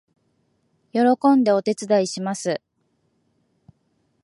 喜んでお手伝いします